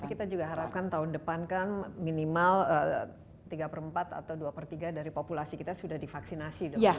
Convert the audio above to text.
tapi kita juga harapkan tahun depan kan minimal tiga per empat atau dua per tiga dari populasi kita sudah divaksinasi dong